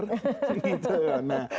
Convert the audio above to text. itu namanya kaidah dalam beragama